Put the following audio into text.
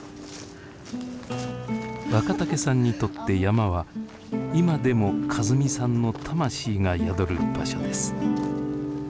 若竹さんにとって山は今でも和美さんの魂が宿る場所です。